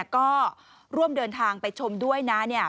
ก็ร่วมเดินทางไปชมด้วยนะ